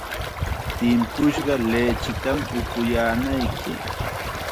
Timpushqa lichitam upuyaanayki.